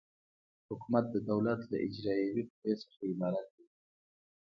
حکومت د دولت له اجرایوي قوې څخه عبارت دی.